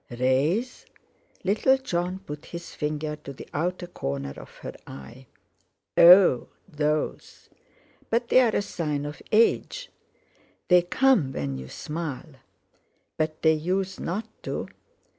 "Rays?" Little Jon put his finger to the outer corner of her eye. "Oh! Those? But they're a sign of age." "They come when you smile." "But they usen't to."